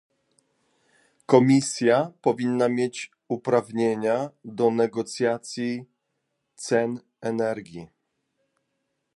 Komisja powinna mieć uprawnienia do negocjacji cen energii